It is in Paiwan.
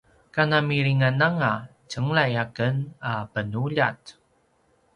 kana milingananga tjenglay aken a penuljat